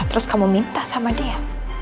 terus kamu minta sama dia